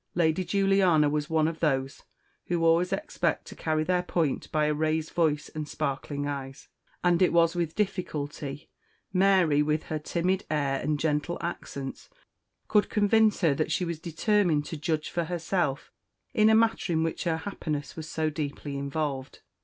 Lady Juliana was one of those who always expect to carry their point by a raised voice and sparkling eyes; and it was with difficulty Mary, with her timid air and gentle accents, could convince her that she was determined to judge for herself in a matter in which her happiness was so deeply involved.